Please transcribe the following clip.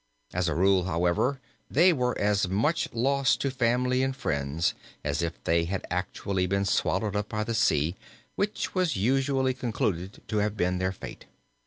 As a rule, however, they were as much lost to family and friends as if they had actually been swallowed up by the sea, which was usually concluded to have been their fate.